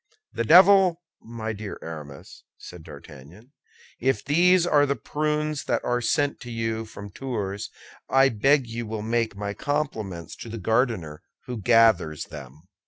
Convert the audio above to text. "The devil! my dear Aramis," said D'Artagnan, "if these are the prunes that are sent to you from Tours, I beg you will make my compliments to the gardener who gathers them."